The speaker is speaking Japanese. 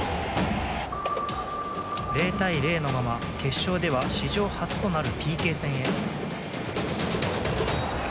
０対０のまま決勝では史上初となるＰＫ戦へ。